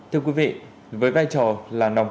thưa quý vị với vai trò là nông